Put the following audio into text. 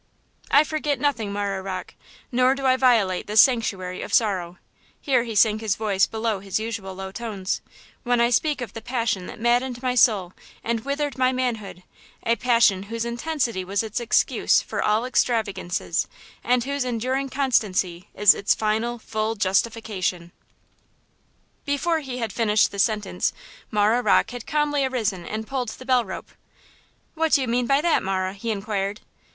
"I forget nothing, Marah Rocke; nor do I violate this sanctuary of sorrow"–here he sank his voice below his usual low tones–"when I speak of the passion that maddened my youth and withered my manhood–a passion whose intensity was its excuse for all extravagances and whose enduring constancy is its final, full justification!" Before he had finished this sentence Marah Rocke had calmly arisen and pulled the bell rope. "What mean you by that, Marah?" he inquired.